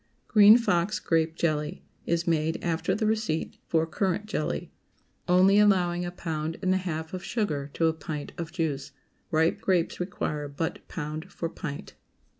GREEN FOX GRAPE JELLY ✠ Is made after the receipt for currant jelly, only allowing a pound and a half of sugar to a pint of juice. Ripe grapes require but pound for pint.